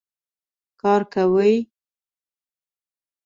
کار کوي